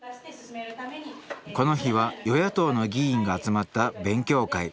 この日は与野党の議員が集まった勉強会。